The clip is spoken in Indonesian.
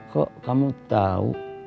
kok kamu tau